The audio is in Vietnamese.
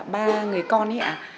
ba người con ấy ạ